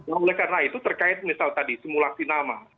oleh karena itu terkait misal tadi simulasi nama